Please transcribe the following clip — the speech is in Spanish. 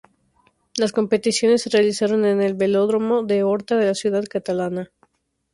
Las competiciones se realizaron en el Velódromo de Horta de la ciudad catalana.